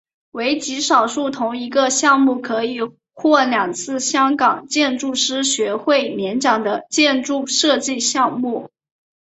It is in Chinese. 为极少数同一个项目可以获两次香港建筑师学会年奖的建筑设计项目。